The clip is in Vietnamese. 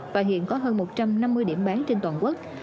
và hiện có hơn một trăm năm mươi điểm bán trên toàn quốc